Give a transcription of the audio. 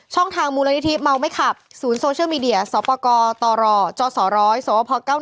ทางมูลนิธิเมาไม่ขับศูนย์โซเชียลมีเดียสปกตรจศร้อยสวพ๙๑